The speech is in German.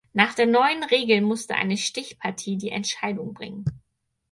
Nach der neuen Regel musste eine Stichpartie die Entscheidung bringen.